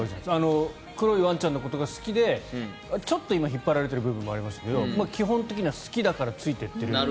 黒いワンちゃんのことが好きでちょっと今引っ張られている部分もありましたけど基本的には好きだからついていってる。